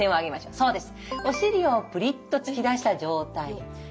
そうですね。